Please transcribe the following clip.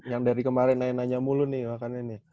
yang dari kemarin nanya nanya mulu nih makanya nih